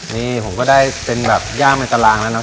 นี่ผมก็ได้เป็นแบบย่างในตารางแล้วนะครับ